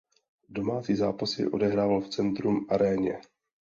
Domácí zápasy odehrával v Centrum Aréně.